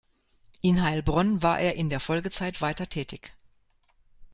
In Heilbronn war er in der Folgezeit weiter tätig.